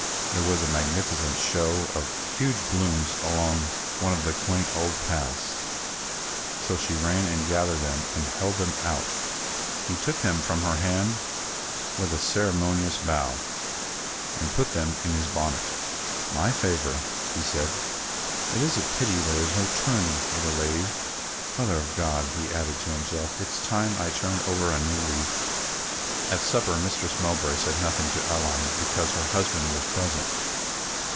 There was a magnificent show of huge blooms along one of the quaint old paths, so she ran and gathered them and held them out. He took them from her hand with a ceremonious bow and put them in his bonnet. "My favour!" he said, "it is a pity there is no tourney, little lady. Mother of God," he added to himself, "it's time I turned over a new leaf." At supper Mistress Mowbray said nothing to Aline, because her husband was present.